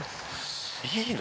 「いいの？